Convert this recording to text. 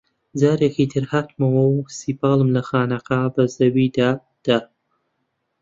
جارێکی تر هاتمەوە و سیپاڵم لە خانەقا بە زەویدا دا